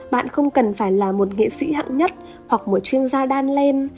bạn không cần phải là một nghệ sĩ hạng nhất hoặc một chuyên gia đan lên